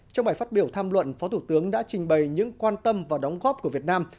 trong bài phát biểu tham luận phó thủ tướng đã trình bày những quan tâm và đóng góp của việt nam